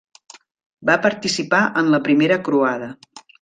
Va participar en la Primera Croada.